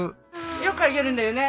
よくあげるんだよね。